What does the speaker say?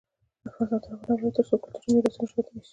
افغانستان تر هغو نه ابادیږي، ترڅو کلتوري میراثونه ژوندي نشي.